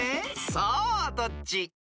［さあどっち？］